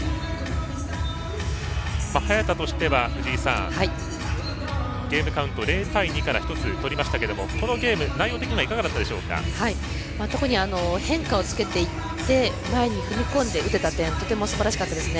早田としては、藤井さんゲームカウント０対２から１つ取りましたけどもこのゲーム、内容的には特に変化をつけていって前に踏み込んで打てた点とてもすばらしかったです。